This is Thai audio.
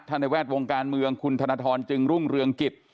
ในแวดวงการเมืองคุณธนทรจึงรุ่งเรืองกิจ